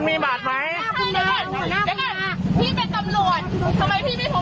ค่ะพาเขาไปหาละ